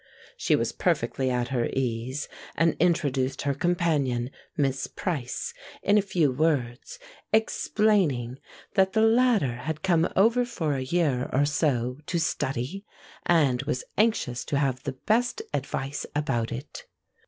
She was perfectly at her ease, and introduced her companion, Miss Price, in a few words, explaining that the latter had come over for a year or so to study, and was anxious to have the best advice about it.